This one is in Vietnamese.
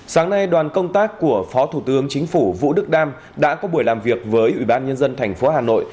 sáng nay đoàn công tác của phó thủ tướng chính phủ vũ đức đam đã có buổi làm việc với ubnd tp hà nội